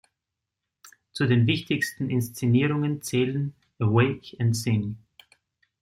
Zu den wichtigsten Inszenierungen zählen: "Awake and Sing!